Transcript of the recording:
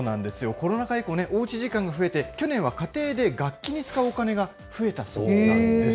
コロナ禍以降ね、おうち時間が増えて、去年は家庭で楽器に使うお金が増えたそうなんです。